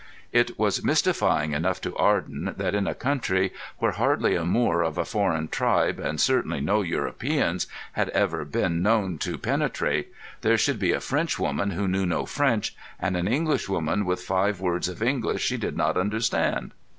It was mystifying enough to Arden that, in a country where hardly a Moor of a foreign tribe, and certainly no Europeans, had ever been known to penetrate, there should be a Frenchwoman who knew no French, and an Englishwoman with five words of English she did not understand.